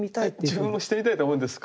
自分もしてみたいと思うんですか。